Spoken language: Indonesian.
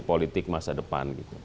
politik masa depan